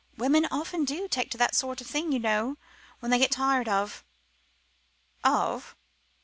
"Women often do take to that sort of thing, you know, when they get tired of " "Of?"